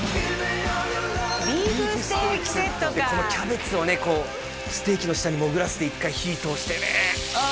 ビーフステーキセットかでこのキャベツをねこうステーキの下にもぐらせて１回火通してねああ